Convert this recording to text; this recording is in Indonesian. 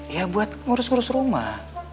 ya buat ngurus ngurus rumah